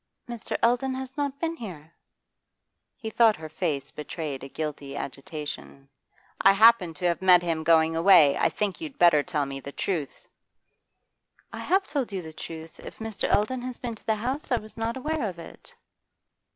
'Mr. Eldon has not been here.' He thought her face betrayed a guilty agitation. 'I happen to have met him going away. I think you'd better tell me the truth.' 'I have told you the truth. If Mr. Eldon has been to the house, I was not aware of it.